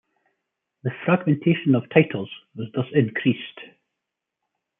The fragmentation of titles was thus increased.